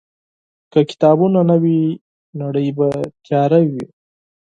که کتابونه نه وي، دنیا به تیاره وي.